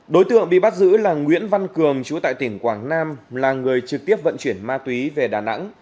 đối tượng bị bắt giữ là nguyễn văn cường chú tại tỉnh quảng nam là người trực tiếp vận chuyển ma túy về đà nẵng